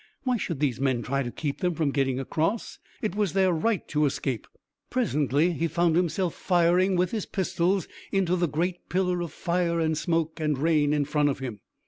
Why should these men try to keep them from getting across? It was their right to escape. Presently he found himself firing with his pistols into the great pillar of fire and smoke and rain in front of him.